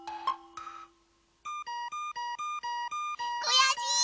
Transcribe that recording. くやしい！